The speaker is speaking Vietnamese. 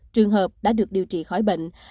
trường hợp đã được điều trị khỏi bệnh